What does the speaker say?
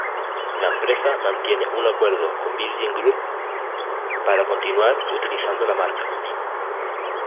La empresa mantiene un acuerdo con el Virgin Group para continuar utilizando la marca.